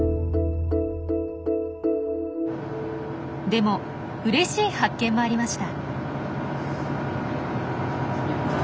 でもうれしい発見もありました。